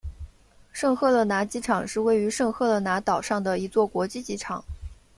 圣赫勒拿机场是位于圣赫勒拿岛上的一座国际机场。